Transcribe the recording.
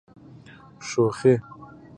شوخي.